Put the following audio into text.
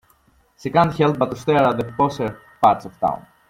She can't help but to stare at the posher parts of town.